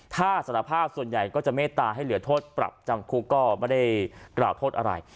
ถ้าสารภาพส่วนใหญ่ก็จะเมตตาให้เหลือโทษปรับจำคุกก็ไม่ได้กล่าวโทษอะไร